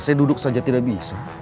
saya duduk saja tidak bisa